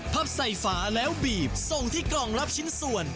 พับใส่ฝาแล้วบีบส่งที่กล่องรับชิ้นส่วน